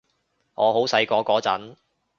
我好細個嗰陣